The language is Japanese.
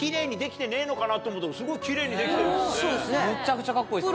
めちゃくちゃカッコいいです。